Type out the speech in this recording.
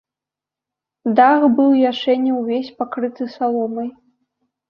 Дах быў яшчэ не ўвесь пакрыты саломай.